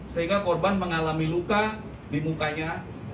sehingga korban mengalami luka di mukanya